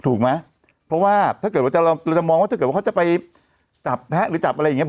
ถูกไหมเพราะว่าถ้าเกิดว่าเราจะมองว่าถ้าเกิดว่าเขาจะไปจับแพ้หรือจับอะไรอย่างนี้